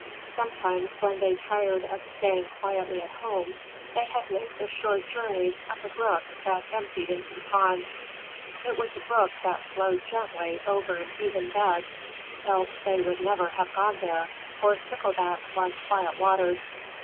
Sometimes, when they tired of staying quietly at home, they had made short journeys up a brook that emptied into the pond. It was a brook that flowed gently over an even bed, else they would never have gone there, for Sticklebacks like quiet waters.